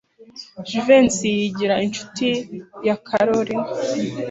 Jivency yigira inshuti ya Kalorina.